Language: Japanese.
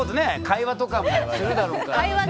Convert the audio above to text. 会話とかもするだろうからね。